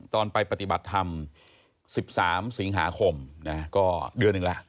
ตอนไปปฏิบัติธรรม๑๓สิงหาคมก็เดือนหนึ่งละ